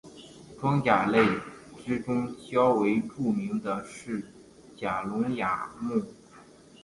装甲类之中较为著名的是甲龙亚目。